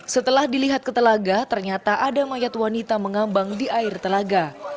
setelah dilihat ke telaga ternyata ada mayat wanita mengambang di air telaga